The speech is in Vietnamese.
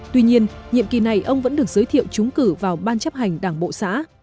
tuy nhiên nhiệm kỳ này ông vẫn được giới thiệu chúng cử vào ban chấp hành đảng bộ xã